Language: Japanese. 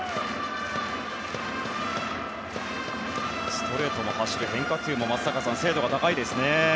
ストレートも走って変化球も精度が高いですね。